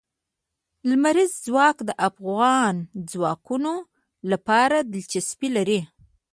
لمریز ځواک د افغان ځوانانو لپاره دلچسپي لري.